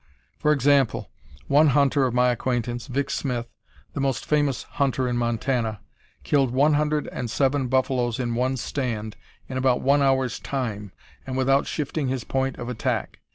For example, one hunter of my acquaintance, Vic. Smith, the most famous hunter in Montana, killed one hundred and seven buffaloes in one "stand," in about one hour's time, and without shifting his point of attack.